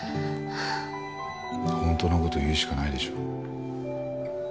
本当の事言うしかないでしょう。